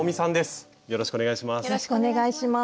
よろしくお願いします。